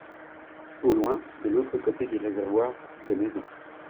Au loin, de l’autre côté du réservoir, des maisons.